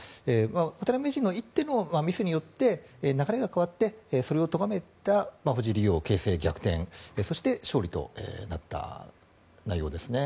渡辺名人の一手のミスによって流れが変わってそれをとがめた藤井竜王が形勢逆転そして勝利となった内容ですね。